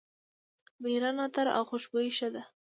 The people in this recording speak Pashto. د ایران عطر او خوشبویي ښه ده.